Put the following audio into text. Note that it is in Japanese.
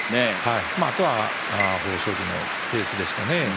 あとは豊昇龍のペースでしたね。